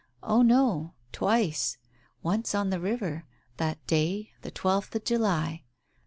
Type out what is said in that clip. Oh, no, twice ; once on the river — that day, the twelfth of July.